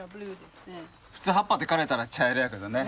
普通葉っぱって枯れたら茶色やけどね